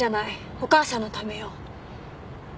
お母さんのためよ